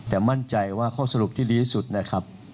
แต่มั่นใจว่าข้อสรุปที่ดีที่สุดนะครับ